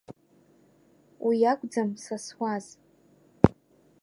Уи акәӡам са суаз.